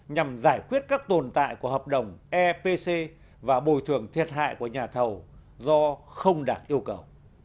nhằm giải quyết các tồn tại của hợp đồng epc và bồi thường thiệt hại của nhà thầu do không đạt yêu cầu